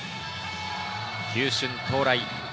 球春到来。